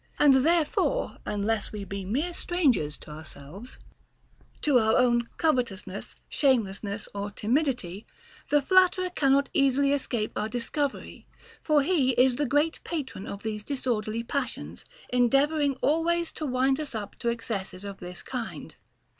And therefore, unless we be mere strangers to our selves, — to our own covetousness, shamelessness, or timid ity, — the flatterer cannot easily escape our discovery ; for he is the great patron of these disorderly passions, endeavoring always to wind us up to excesses of this kind.